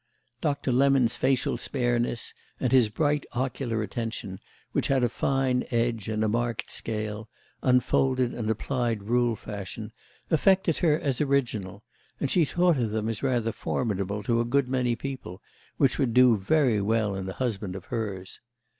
Doctor Lemon's facial spareness and his bright ocular attention, which had a fine edge and a marked scale, unfolded and applied rule fashion, affected her as original, and she thought of them as rather formidable to a good many people, which would do very well in a husband of hers.